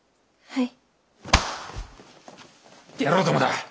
はい。